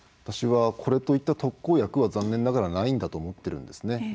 私はこれといった特効薬は残念ながらないんだと思ってるんですね。